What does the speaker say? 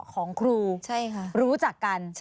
ของครูรู้จักกัน